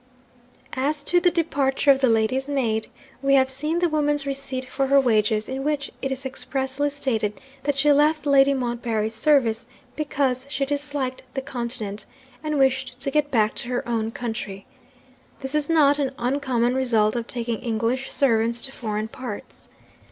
'As to the departure of the lady's maid, we have seen the woman's receipt for her wages, in which it is expressly stated that she left Lady Montbarry's service because she disliked the Continent, and wished to get back to her own country. This is not an uncommon result of taking English servants to foreign parts.